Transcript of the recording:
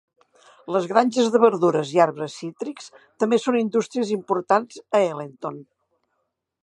Les granges de verdures i arbres cítrics també són indústries importants a Ellenton.